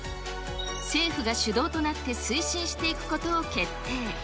政府が主導となって推進していくことを決定。